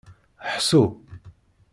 Ḥṣu.